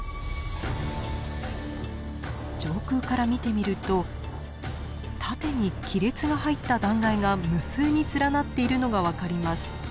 上空から見てみると縦に亀裂が入った断崖が無数に連なっているのが分かります。